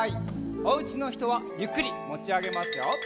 おうちのひとはゆっくりもちあげますよ。